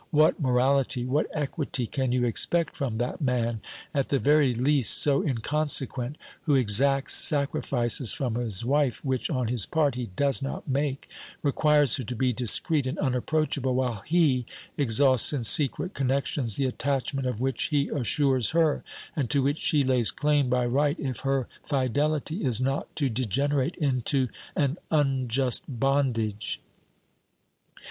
What morality, what equity can you expect from that man, at the very least so inconsequent, who exacts sacrifices from his wife which, on his part, he does not make, requires her to be discreet and unapproachable, while he exhausts in secret connections the attachment of which he assures her, and to which she lays claim by right if her fidelity is not to degenerate into an unjust bondage